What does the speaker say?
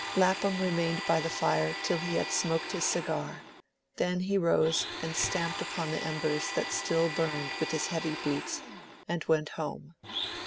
Lapham remained by the fire till he had smoked his cigar; then he rose and stamped upon the embers that still burned with his heavy boots, and went home.